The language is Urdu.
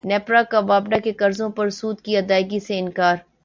نیپرا کا واپڈا کے قرضوں پر سود کی ادائیگی سے انکار